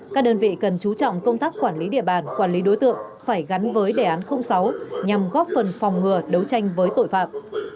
các đơn vị cần chú trọng công tác quản lý địa bàn quản lý đối tượng phải gắn với đề án sáu nhằm góp phần phòng ngừa đấu tranh với tội phạm